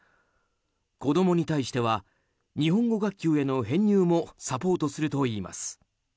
子供に対しては日本語学級への編入もサポートするといいます。